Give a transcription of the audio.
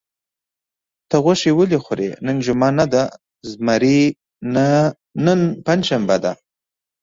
ته غوښې ولې خورې؟ نن جمعه نه ده؟ زمري: نه، نن پنجشنبه ده.